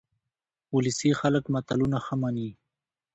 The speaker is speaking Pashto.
ولسي خلک متلونه ښه مني